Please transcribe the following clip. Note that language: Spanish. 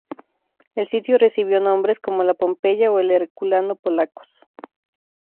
El sitio recibió nombres como la Pompeya o el Herculano polacos.